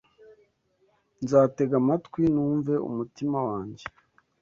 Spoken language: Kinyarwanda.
Nzatega amatwi numve umutima wanjye